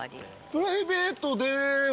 プライベートでは。